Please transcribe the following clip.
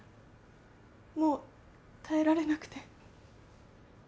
もう耐えられなくて。